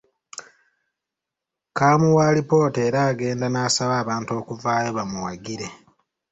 Kaamuwa alipoota era agenda n’asaba abantu okuvaayo bamuwagire.